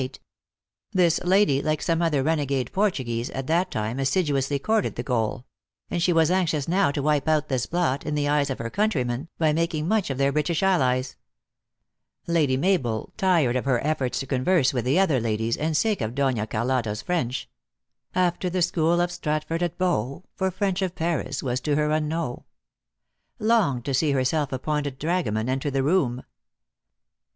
This lady, like some other renegade Portu guese, at that time assiduously courted the Gaul ; and she was anxious now to wipe out this blot, in the eyes of 256 THE ACTEESS IN HIGH LIFE. her countrymen, by making much of their British allies. Lady Mabel, tired of her efforts to con verse with the other ladies, and sick of Dona Car lotta s French, " After the school of Stratford at bow, For French of Paris was to her unknow " longed to see her self appointed dragoman enter the room.